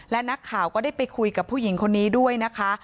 และนักข่าวก็ได้ไปคุยกับผู้หญิงคนนี้ด้วยนะคะ